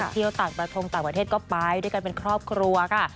เที่ยวต่างกระทงต่างประเทศก็ไปด้วยกันเป็นครอบครัวค่ะ